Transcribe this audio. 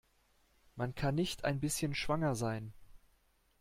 Man kann nicht ein bisschen schwanger sein.